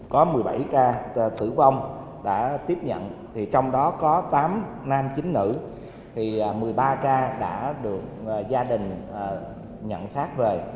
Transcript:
có một mươi bảy ca tử vong đã tiếp nhận trong đó có tám nam chín nữ một mươi ba ca đã được gia đình nhận sát về